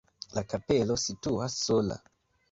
La kapelo situas sola.